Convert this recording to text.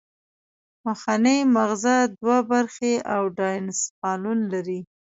مخنی مغزه دوه برخې او ډاینسفالون لري